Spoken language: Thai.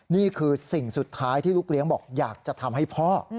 นี่คือสิ่งสุดท้ายที่ลูกเลี้ยงบอกอยากจะทำให้พ่อ